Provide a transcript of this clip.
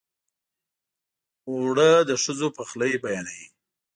اوړه د ښځو پخلی بیانوي